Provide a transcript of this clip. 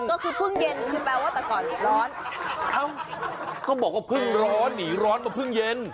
ก็คือเพิ่งเย็นคือแปลว่าแต่ก่อนร้อนเอ้าเขาบอกว่าเพิ่งร้อนหนีร้อนมาเพิ่งเย็น